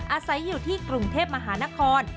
อาศัยอยู่ที่กรุงเทพมหานคร